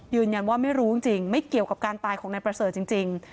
ไม่รู้จริงไม่เกี่ยวกับการตายของนายประเสริฐจริง